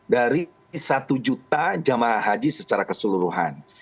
dari satu juta jemaah haji secara keseluruhan